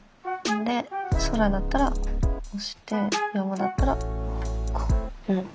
で空だったらこうして山だったらこう。